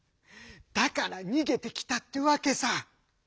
だからにげてきたってわけさ」。